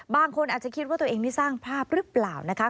บางคนอาจจะคิดว่าตัวเองนี่สร้างภาพหรือเปล่านะคะ